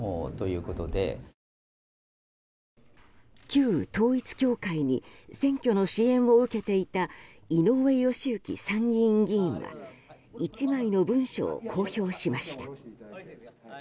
旧統一教会に選挙の支援を受けていた井上義行参院議員は１枚の文書を公表しました。